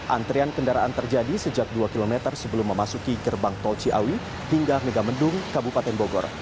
antrian kendaraan terjadi sejak dua km sebelum memasuki gerbang tol ciawi hingga megamendung kabupaten bogor